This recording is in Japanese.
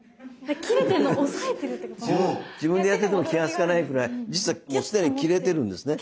自分でやってても気がつかないくらい実はもう既に切れてるんですね。